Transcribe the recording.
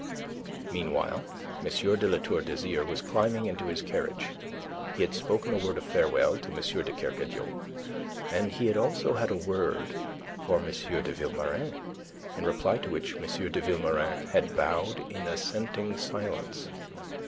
Meanwhile, M. de La Tour d'Azyr was climbing into his carriage. He had spoken a word of farewell to M. de Kercadiou, and he had also had a word for M. de Vilmorin in reply to which M. de Vilmorin had bowed in assenting silence.